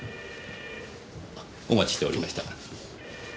お待ちしておりました。